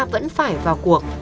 vẫn phải vào cuộc